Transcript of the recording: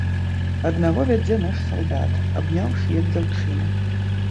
Аднаго вядзе наш салдат, абняўшы, як дзяўчыну.